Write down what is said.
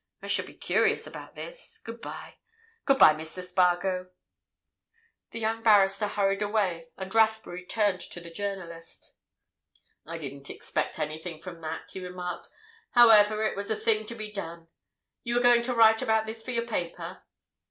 I shall be curious about this. Good bye—good bye, Mr. Spargo." The young barrister hurried away, and Rathbury turned to the journalist. "I didn't expect anything from that," he remarked. "However, it was a thing to be done. You are going to write about this for your paper?"